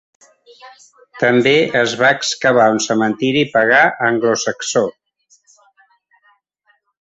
També es va excavar un cementiri pagà anglosaxó.